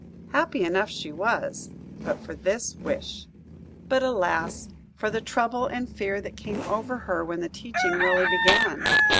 Happy enough she was, but for this wish. But alas! for the trouble and fear that came over her when the teaching really began.